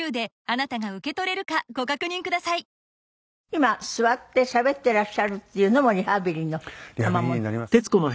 今座ってしゃべっていらっしゃるっていうのもリハビリのたまもの？